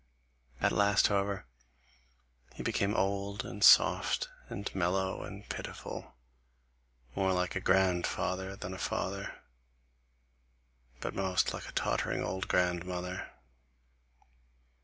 At last, however, he became old and soft and mellow and pitiful, more like a grandfather than a father, but most like a tottering old grandmother.